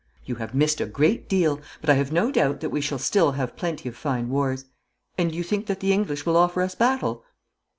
'You have missed a great deal, but I have no doubt that we shall still have plenty of fine wars. And you think that the English will offer us battle?'